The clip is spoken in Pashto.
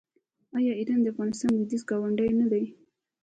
آیا ایران د افغانستان لویدیځ ګاونډی نه دی؟